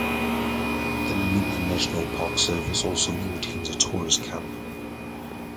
The Namibian National Park Service also maintains a tourist camp.